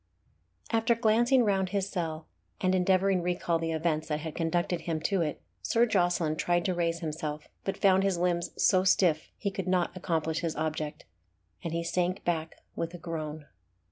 After glancing round his cell, and endeavouring recal the events that had conducted him to it, Sir Jocelyn tried to raise himself, but found his limbs so stiff that he could not accomplish his object, and he sank back with a groan.